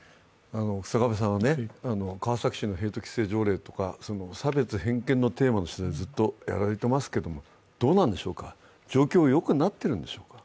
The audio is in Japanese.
日下部さんは川崎市のヘイト規制条例とか差別・偏見がテーマの取材をずっとやられていますが、どうなんでしょうか、状況はよくなっているんでしょうか？